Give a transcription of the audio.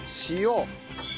塩。